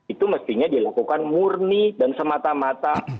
itu mestinya dilakukan murni dan semata mata